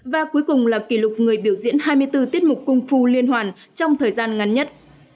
và cuối cùng là kỷ lục người biểu diễn hai mươi bốn tiết mục cung phu liên hoàn trong thời gian ngắn nhất